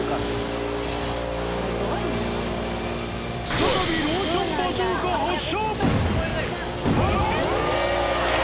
再びローションバズーカ発射！